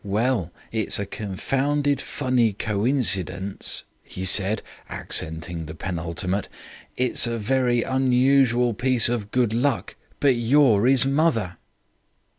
Well, it's a confounded funny coincidence,' he said, accenting the penultimate, 'it's a very unusual piece of good luck, but you're 'is mother.'